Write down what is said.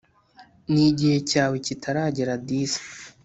nigihe cyawe kitaragera disi.